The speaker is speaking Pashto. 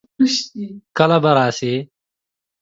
کله به راسې؟